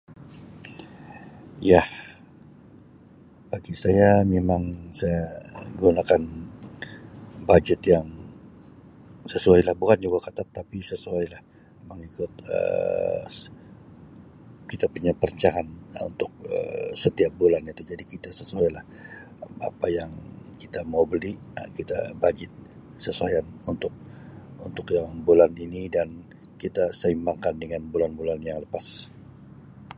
Ya, bagi saya memang saya gunakan bajet yang sesuai lah bukan juga ketat tapi sesuailah mengikut Um kita punya perancangan lah untuk Um setiap bulan itu jadi kita sesuai lah apa yang kita mau beli Um kita bajet sesuaikan untuk bajet bulan ini kita sesuaikan dengan bajet bulan lepas.